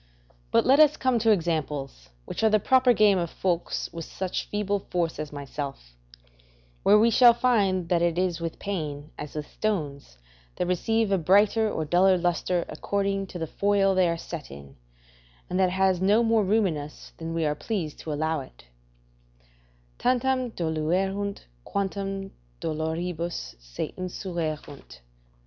But let us come to examples, which are the proper game of folks of such feeble force as myself; where we shall find that it is with pain as with stones, that receive a brighter or a duller lustre according to the foil they are set in, and that it has no more room in us than we are pleased to allow it: "Tantum doluerunt, quantum doloribus se inseruerunt."